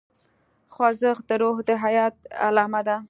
خوځښت د روح د حیات علامه ده.